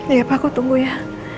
iya pak aku tunggu ya